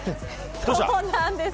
そうなんです。